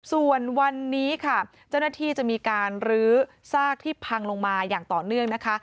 ส่วนวันนี้ค่ะเจ้าหน้าที่จะมีการลื้อซากที่พังลงมาอย่างต่อเนื่องนะคะ